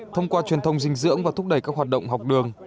thông qua truyền thông dinh dưỡng và thúc đẩy các hoạt động học đường